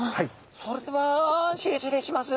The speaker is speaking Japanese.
それでは失礼します。